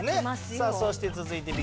さあそして続いてＢ。